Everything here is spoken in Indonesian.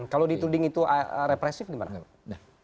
kalau dituding itu represif gimana